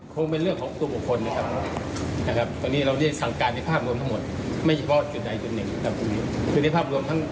โทษในกำรับอังเปล่ามันขั้นหน่ายค่ะท่าน